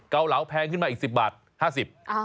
เกาเหลาแพงขึ้นมาอีก๑๐บาท๕๐บาท